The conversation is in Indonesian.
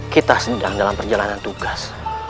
kita sedang dalam perjalanan tugas